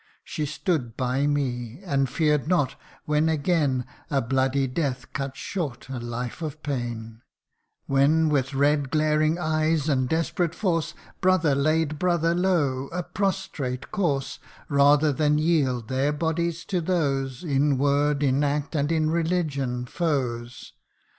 CANTO lit. 99 She stood by me and fear'd not, when again, A bloody death cut short a life of pain ; When, with red glaring eyes and desperate force, Brother laid brother low, a prostrate corse, ( 4 ) Rather than yield their bodies up to those, In word, in act, and in religion foes.